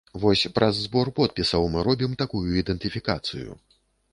Вось праз збор подпісаў мы робім такую ідэнтыфікацыю.